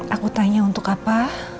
aku tanya untuk apa